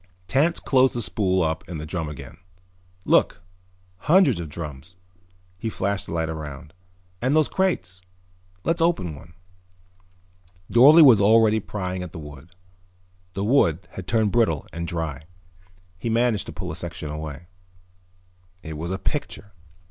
Tance closed the spool up in the drum again. "Look, hundreds of drums." He flashed the light around. "And those crates. Let's open one." Dorle was already prying at the wood. The wood had turned brittle and dry. He managed to pull a section away. It was a picture.